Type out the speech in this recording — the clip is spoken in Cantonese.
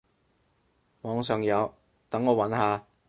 網上有，等我揾下